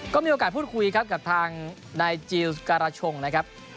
ก็มีโอกาสพูดคุยครับกับทางนายจิลสการาชงนะครับ